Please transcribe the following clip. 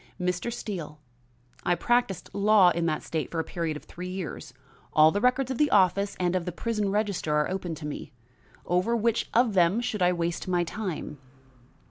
"Mr. Steele, I practised law in that state for a period of three years. All the records of the office and of the prison register are open to me. Over which of them should I waste my time?"